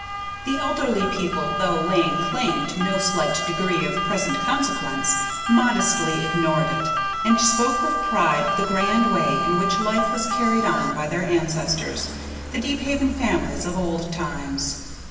The elderly people, though laying claim to no slight degree of present consequence, modestly ignored it, and spoke with pride of the grand way in which life was carried on by their ancestors, the Deephaven families of old times.